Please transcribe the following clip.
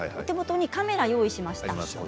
カメラをご用意しました。。